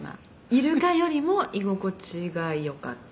「イルカよりも居心地が良かった」